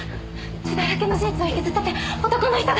血だらけのシーツを引きずってて男の人が！